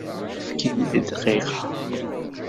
Efk-iyi dqiqa!